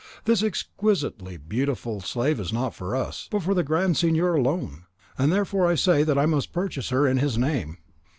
This exquisitely beautiful slave is not for us, but for the Grand Signor alone, and therefore I say that I purchase her in his name.